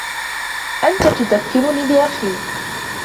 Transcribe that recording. أنت تذكرني بأخيك.